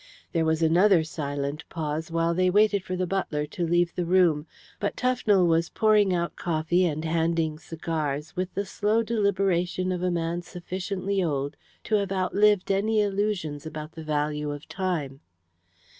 There was another silent pause while they waited for the butler to leave the room. But Tufnell was pouring out coffee and handing cigars with the slow deliberation of a man sufficiently old to have outlived any illusions about the value of time.